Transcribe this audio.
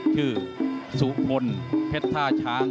ชื่อสุพลเพชรท่าช้าง